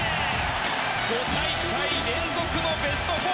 ５大会連続のベスト４！